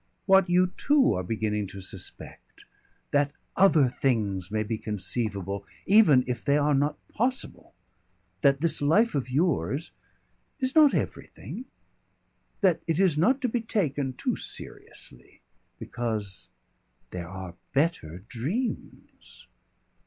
"What you too are beginning to suspect.... That other things may be conceivable even if they are not possible. That this life of yours is not everything. That it is not to be taken too seriously. Because ... there are better dreams!"